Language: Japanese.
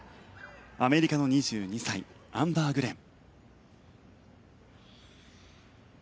アメリカの２２歳アンバー・グレン。